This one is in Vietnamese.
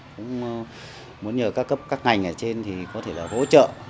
cũng muốn nhờ các ngành ở trên thì có thể là hỗ trợ